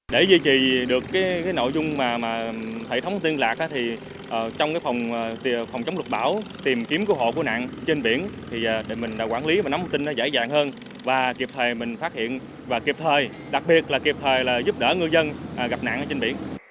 để duy trì được nội dung hệ thống tiên lạc trong phòng chống lục bão tìm kiếm cứu hộ của nạn trên biển để mình quản lý và nắm tin dễ dàng hơn và kịp thời mình phát hiện và kịp thời đặc biệt là kịp thời giúp đỡ ngư dân gặp nạn trên biển